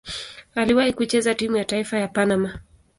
Aliwahi kucheza timu ya taifa ya Panama.